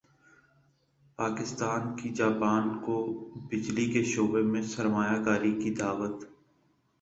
پاکستان کی جاپان کو بجلی کے شعبے میں سرمایہ کاری کی دعوت